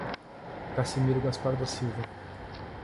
Cassimiro Gaspar da Silva